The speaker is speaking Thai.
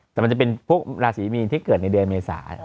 แต่มันจะเป็นพวกราศีมีนที่เกิดในเดือนเมษา